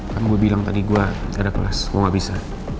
kan gue bilang tadi gue gak ada kelas gue gak bisa